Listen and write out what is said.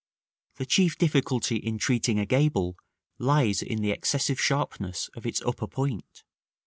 The chief difficulty in treating a gable lies in the excessive sharpness of its upper point.